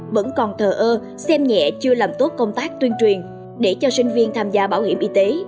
vẫn còn thờ ơ xem nhẹ chưa làm tốt công tác tuyên truyền để cho sinh viên tham gia bảo hiểm y tế